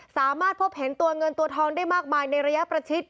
สามารถพบเห็นตัวเงินตัวทองได้มากมายในระยะประชิด